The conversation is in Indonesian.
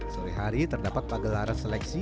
sore hari terdapat pagelaran seleksi